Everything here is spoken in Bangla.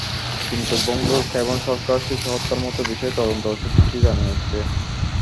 কিন্তু বঙ্গোর গ্যাবন সরকার শিশু হত্যার মতো বিষয়ে তদন্তে অস্বীকৃতি জানিয়েছে।